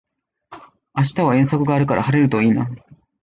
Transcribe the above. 明日は遠足があるから晴れるといいな